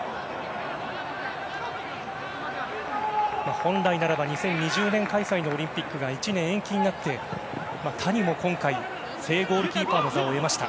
本来ならば２０２０年開催のオリンピックが１年延期になって、谷も今回正ゴールキーパーの座を得ました。